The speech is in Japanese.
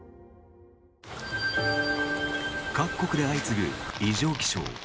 各国で相次ぐ異常気象。